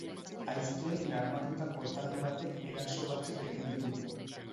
Aiztoekin armatutako talde batek eraso batzuk egin ditu.